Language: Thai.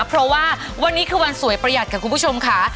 เพราะว่าวันนี้คือวันสวยประหยัดค่ะคุณผู้ชมค่ะ